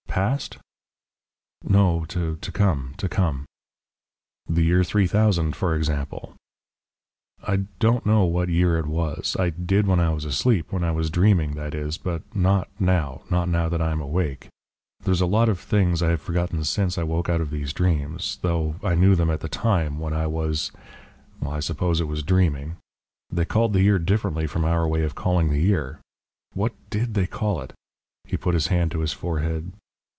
"Past?" "No, to come to come." "The year three thousand, for example?" "I don't know what year it was. I did when I was asleep, when I was dreaming, that is, but not now not now that I am awake. There's a lot of things I have forgotten since I woke out of these dreams, though I knew them at the time when I was I suppose it was dreaming. They called the year differently from our way of calling the year.... What DID they call it?" He put his hand to his forehead.